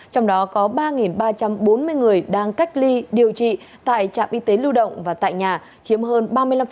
trong đó có ba ba trăm bốn mươi người đang cách ly điều trị tại trạm y tế lưu động và tại nhà chiếm hơn ba mươi năm